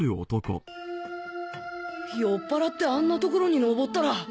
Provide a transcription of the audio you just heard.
酔っ払ってあんな所に登ったら。